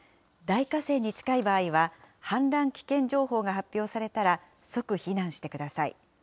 大河川に近い場合は、氾濫危険情報が発表されたら、即避難してください。